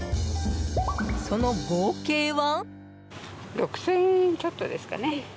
その合計は。